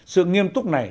sự nghiêm túc này